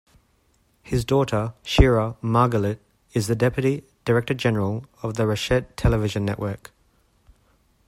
His daughter, Shira Margalit, is the deputy director-general of the Reshet television network.